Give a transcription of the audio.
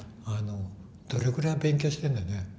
どれくらい勉強してんだろうね。